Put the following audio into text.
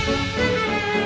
gimana kita akan menikmati rena